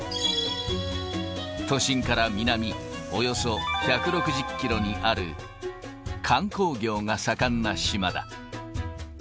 都心から南、およそ１６０キロにある、観光業が盛んな島だ。